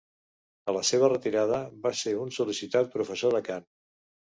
A la seva retirada va ser un sol·licitat professor de cant.